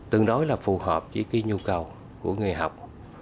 tương đối là phù hợp với cái nhu cầu của người học